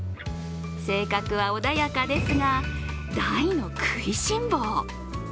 性格は穏やかですが、大の食いしん坊。